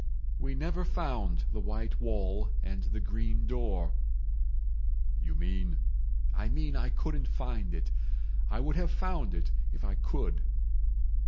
"We never found the white wall and the green door ..." "You mean?—" "I mean I couldn't find it. I would have found it if I could.